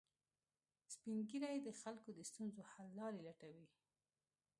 سپین ږیری د خلکو د ستونزو حل لارې لټوي